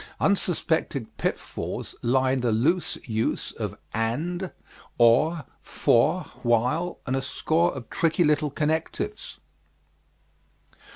Unsuspected pitfalls lie in the loose use of and, or, for, while, and a score of tricky little connectives.